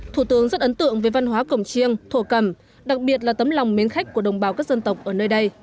thủ tướng rất ấn tượng về văn hóa cổng chiêng thổ cẩm đặc biệt là tấm lòng mến khách của đồng bào các dân tộc ở nơi đây